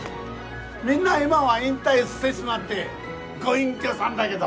みんな今は引退してしまってご隠居さんだげど。